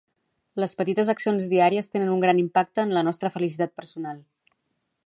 Les petites accions diàries tenen un gran impacte en la nostra felicitat personal.